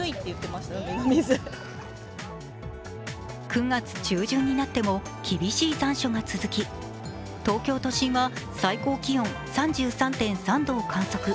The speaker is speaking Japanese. ９月中旬になっても厳しい残暑が続き、東京都心は最高気温３３．３度を観測。